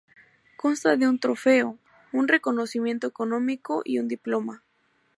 Consta de un trofeo, un reconocimiento económico y un diploma.